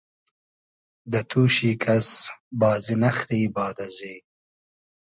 دۂ توشی کئس بازی نئخری باد ازی